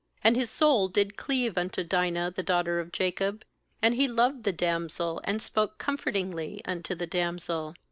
3And his soul did cleave unto Dinah, the daughter of Jacob, and he loved the damsel, and spoke comfortingly unto the damsel.